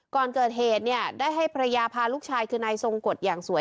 ก่อนเกิดเหตุเนี่ยได้ให้ภรรยาพาลูกชายคือนายทรงกฎอย่างสวย